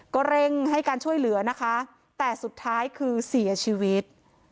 ก็เร่งให้การช่วยเหลือนะคะแต่สุดท้ายคือเสียชีวิต